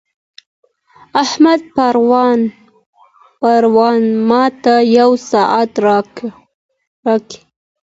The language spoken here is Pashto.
احمد پرون ماته یو ساعت راکړی.